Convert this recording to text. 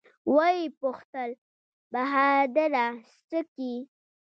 ويې پوښتل بهادره سه کې.